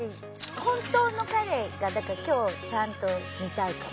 本当の彼がだから今日ちゃんと見たいかも。